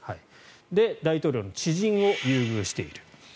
で、大統領の知人を優遇している。